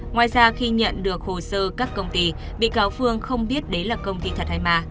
ngoài ra khi nhận được hồ sơ các công ty bị cáo phương không biết đấy là công ty thật hay ma